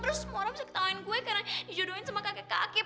terus semua orang bisa ketahuan gue karena dijodohin sama kakek kakek